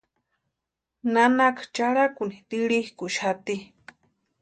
Nanaka charhakuni kʼirhikʼuxati.